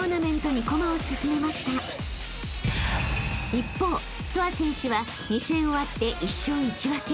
［一方ＴＯＡ選手は２戦終わって１勝１分け］